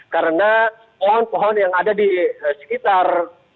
karena pohon pohon yang ada di sekitar